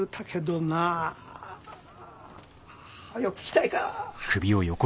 はよ聞きたいか？